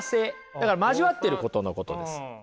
だから交わってることのことです。